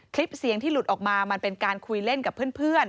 คลิปเสียงที่หลุดออกมามันเป็นการคุยเล่นกับเพื่อน